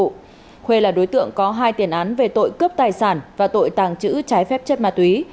khuê là đối tượng có hai tiền án về tội cướp tài sản và tội tàng trữ trái phép chất ma túy